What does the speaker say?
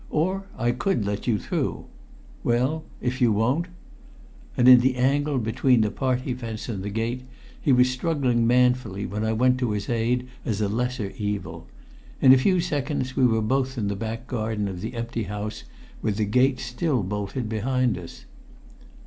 Or I could let you through. Well if you won't!" And in the angle between party fence and gate he was struggling manfully when I went to his aid as a lesser evil; in a few seconds we were both in the back garden of the empty house, with the gate still bolted behind us.